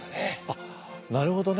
あっなるほどね。